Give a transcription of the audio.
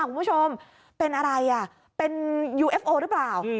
คุณผู้ชมเป็นอะไรอ่ะเป็นยูเอฟโอหรือเปล่า